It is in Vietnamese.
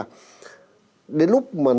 đến lúc mà nước mặn nó đẩy vào sâu